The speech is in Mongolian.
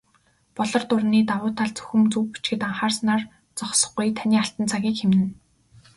"Болор дуран"-ийн давуу тал зөвхөн зөв бичихэд анхаарснаар зогсохгүй, таны алтан цагийг хэмнэнэ.